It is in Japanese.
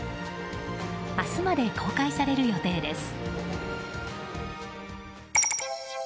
明日まで公開される予定です。